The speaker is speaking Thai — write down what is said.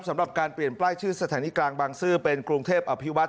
สำหรับการเปลี่ยนป้ายชื่อสถานีกลางบางซื่อเป็นกรุงเทพอภิวัต